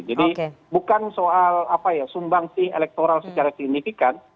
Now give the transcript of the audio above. jadi bukan soal apa ya sumbang sih elektoral secara signifikan